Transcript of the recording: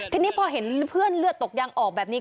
ทีนี้พอเห็นเพื่อนเลือดตกยังออกแบบนี้